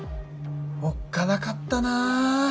おっかなかったな